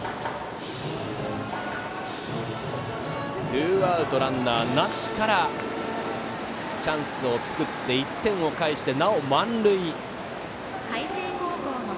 ツーアウトランナーなしからチャンスを作って１点を返して、なお満塁。